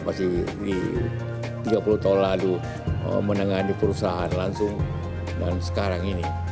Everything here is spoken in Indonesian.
masih tiga puluh tahun lalu menengah di perusahaan langsung dan sekarang ini